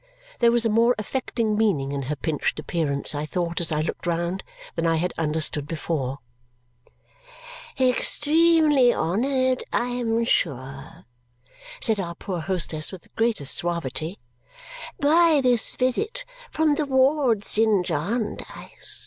There was a more affecting meaning in her pinched appearance, I thought as I looked round, than I had understood before. "Extremely honoured, I am sure," said our poor hostess with the greatest suavity, "by this visit from the wards in Jarndyce.